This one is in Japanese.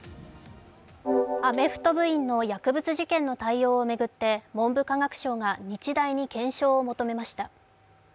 アメフト部員の薬物事件の対応を巡って文部科学省が日大に検証を求めました。